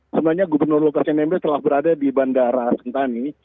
sebenarnya gubernur lukas nmb telah berada di bandara sentani